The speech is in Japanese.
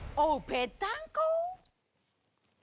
ぺったんこ。